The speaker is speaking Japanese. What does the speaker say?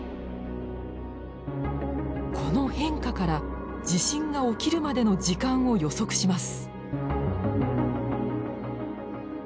この変化から地震が起きるまでの時間を予測します。